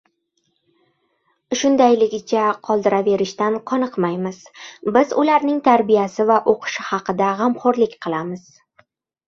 shundayligicha qoldiraverishdan qoniqmaymiz,— biz ularning tarbiyasi va o‘qishi haqida gamxo‘rlik qilamiz